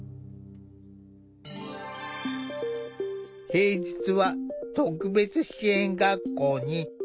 平日は特別支援学校に登校。